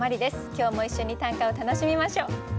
今日も一緒に短歌を楽しみましょう。